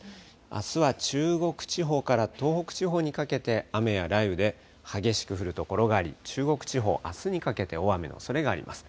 あすは中国地方から東北地方にかけて雨や雷雨で、激しく降る所があり、中国地方、あすにかけて大雨のおそれがあります。